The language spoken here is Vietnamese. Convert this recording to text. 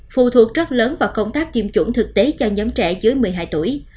phù thuộc rất lớn vào công tác kiêm chủng thực tế cho nhóm trẻ dưới một mươi hai tuổi